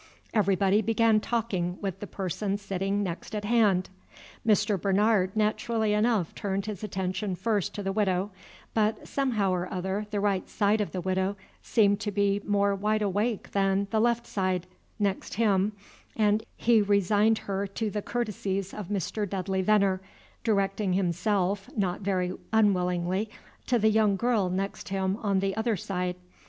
Everybody began talking with the person sitting next at hand. Mr. Bernard naturally enough turned his attention first to the Widow; but somehow or other the right side of the Widow seemed to be more wide awake than the left side, next him, and he resigned her to the courtesies of Mr. Dudley Venner, directing himself, not very unwillingly, to the young girl next him on the other side.